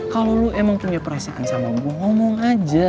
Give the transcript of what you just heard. kalau lu emang punya perasaan sama gue ngomong aja